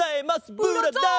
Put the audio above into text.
ブラザー！